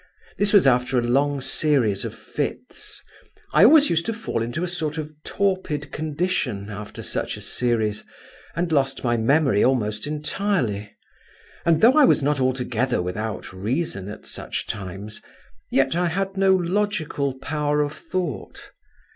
This was after a long series of fits. I always used to fall into a sort of torpid condition after such a series, and lost my memory almost entirely; and though I was not altogether without reason at such times, yet I had no logical power of thought.